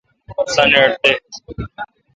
سانیٹ دے۔